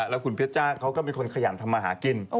แล้วคุณเพชรจ้าเขาก็เป็นคนขยันทำมาหากิน